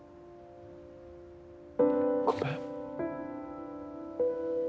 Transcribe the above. ごめん。